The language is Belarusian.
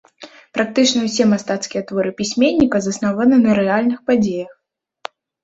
Практычна ўсе мастацкія творы пісьменніка заснаваны на рэальных падзеях.